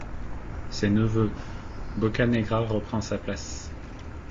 SES NEVEUX.- BOCCANEGRA REPREND SA PLACE.